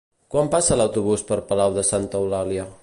Quan passa l'autobús per Palau de Santa Eulàlia?